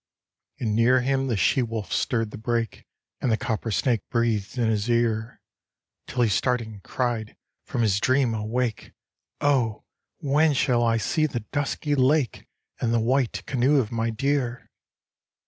And near him the she woH stirred the brake, And the copper snake breathed in his ear, "nil he starting cried, from his dream awake, " Oh, when shall I see the dusky Lake, And the white canoe of my dear?